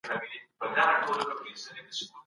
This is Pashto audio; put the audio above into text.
یا عملي کولو پلانونه له همدې دورې پيلېږي.